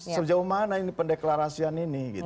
sejauh mana ini pendeklarasian ini